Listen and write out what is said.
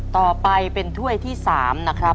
ต่อไปเป็นถ้วยที่๓นะครับ